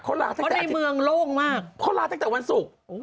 เขาลาตั้งแต่อาทิตย์เพราะในเมืองโล่งมาก